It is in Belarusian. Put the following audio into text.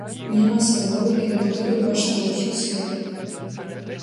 Няма свайго, і гэта добра бачна ва ўсіх сферах.